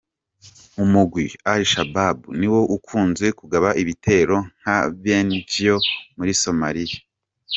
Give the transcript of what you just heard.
Umugwi al-Shabaab niwo ukunze kugaba ibitero nka ben'ivyo muri Somalia.